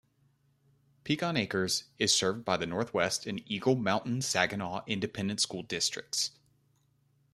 Pecan Acres is served by the Northwest and Eagle Mountain-Saginaw Independent School Districts.